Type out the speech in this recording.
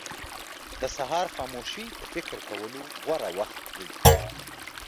• د سهار خاموشي د فکر کولو غوره وخت دی.